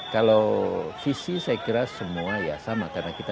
kalau visi saya kira semua ya sama